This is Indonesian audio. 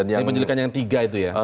ini penyelidikan yang tiga itu ya